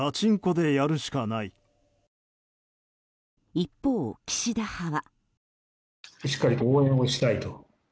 一方、岸田派は。